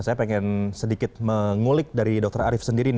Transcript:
saya ingin sedikit mengulik dari dokter arief sendiri